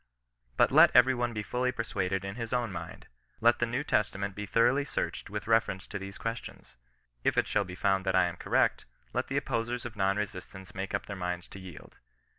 But let every one be fully persuaded in his own mind. Let the New Testament be thoroughly searched with reference to these questions. If it shall be found that I am correct, let the opposers of non resistance make up their minds to yield.